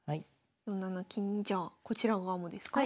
４七金にじゃあこちら側もですか？